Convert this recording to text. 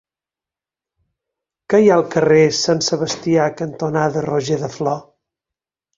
Què hi ha al carrer Sant Sebastià cantonada Roger de Flor?